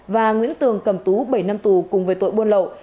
và nguyễn tường cầm tú bảy năm tù cùng với tội buôn lậu